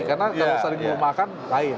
karena kalau saling memakan lain